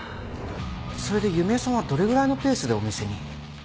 それで弓江さんはどれぐらいのペースでお店に？